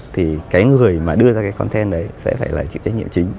thì cái người mà đưa ra cái content đấy sẽ phải là chịu trách nhiệm chính